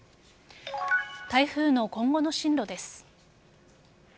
台風の今後の進路です。